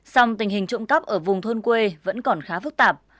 song tình hình trộm cắp ở vùng thôn quê vẫn còn khá phức tạp